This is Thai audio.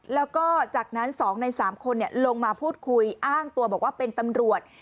แล้วก็จากนั้น๒ใน๓คนลงมาพูดคุยอ้างตัวบอกว่าเป็นตำรวจ